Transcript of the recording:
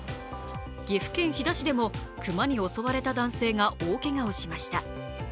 岐阜県飛騨市でも熊に襲われた男性が大けがをしました。